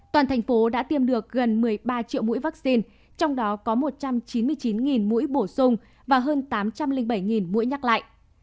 toàn thành phố đã tiêm được gần một mươi ba triệu mũi vaccine trong đó có một trăm chín mươi chín mũi bổ sung và hơn tám trăm linh bảy mũi nhắc lại